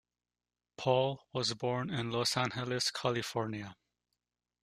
Paul was born in Los Angeles, California.